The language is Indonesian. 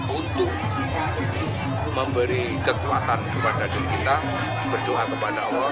untuk memberi kekuatan kepada diri kita berdoa kepada allah